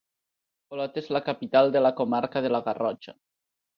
Olot és la capital de la comarca de la Garrotxa.